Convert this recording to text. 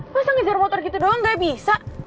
masa ngejar motor gitu doang gak bisa